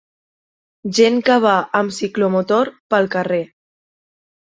Gent que va amb ciclomotor pel carrer.